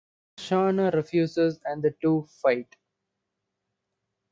Shawna refuses and the two fight.